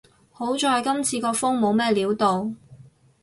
好在今次個風冇乜料到